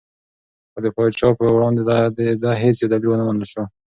خو د پاچا په وړاندې د ده هېڅ یو دلیل ونه منل شو.